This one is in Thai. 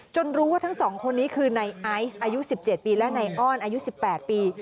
รู้ว่าทั้งสองคนนี้คือในไอซ์อายุ๑๗ปีและนายอ้อนอายุ๑๘ปี